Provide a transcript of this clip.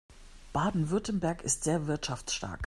Baden-Württemberg ist sehr wirtschaftsstark.